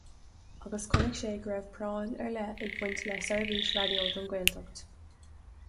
Agus chonaic sé go raibh práinn ar leith ag baint le seirbhís raidió don Ghaeltacht.